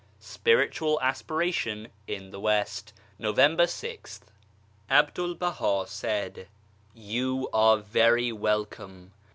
SPIRITUAL ASPIRATION IN THE WEST November 6th. A BDUL BAHA said : You are very welcome